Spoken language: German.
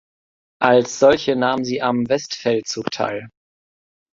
Als solche nahm sie am Westfeldzug teil.